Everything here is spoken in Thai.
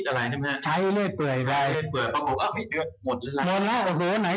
เงินเหลือหยากกระปุกก็จะน้อยลง